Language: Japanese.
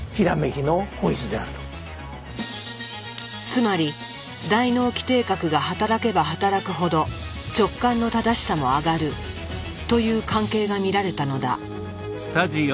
つまり大脳基底核が働けば働くほど直感の正しさも上がるという関係が見られたのだ。